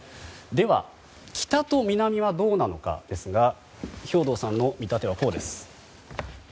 では、北と南はどうなのかですが兵頭さんの見立てはこうです。